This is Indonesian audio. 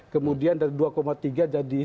kemudian dari dua tiga jadi dua puluh delapan